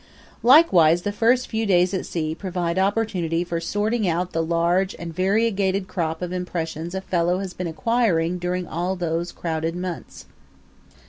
Likewise the first few days at sea provide opportunity for sorting out the large and variegated crop of impressions a fellow has been acquiring during all these crowded months.